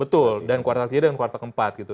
betul dan kuartal ke tiga dan kuartal ke empat gitu